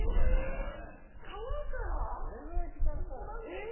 どれぐらい時間かかるの。